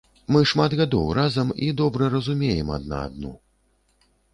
Мы шмат гадоў разам і добра разумеем адна адну.